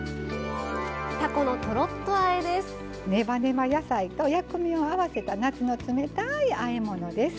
ねばねば野菜と薬味を合わせた夏の冷たいあえ物です。